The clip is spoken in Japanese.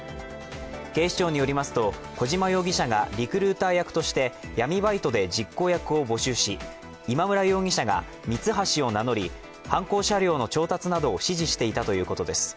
警視庁によりますと小島容疑者がリクルーター役として闇バイトで実行役を募集し、今村容疑者がミツハシを名乗り犯行車両の調達などを指示していたということです。